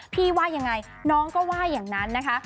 ว่ายังไงน้องก็ว่าอย่างนั้นนะคะ